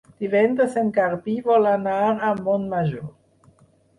Divendres en Garbí vol anar a Montmajor.